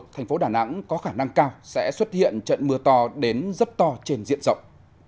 thành phố đà nẵng có khả năng cao sẽ xuất hiện trận mưa to đến rất to trên diện rộng